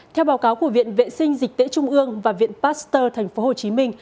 theo báo cáo của viện vệ sinh dịch tễ trung ương và viện pasteur tp hcm